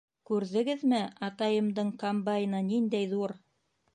— Күрҙегеҙме, атайымдың комбайны ниндәй ҙур!